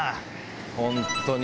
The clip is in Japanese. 本当に。